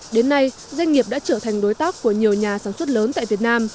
đến nay doanh nghiệp đã trở thành đối tác của nhiều nhà sản xuất lớn tại việt nam